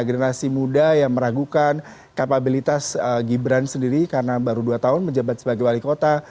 generasi muda yang meragukan kapabilitas gibran sendiri karena baru dua tahun menjabat sebagai wali kota